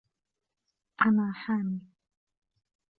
أنا حامل.